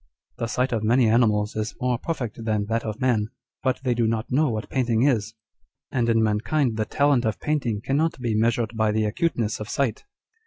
The sight of many animals is more perfect than that of man, but they do not know what painting is ; and in mankind the talent of painting cannot be measured by the acuteness of sight.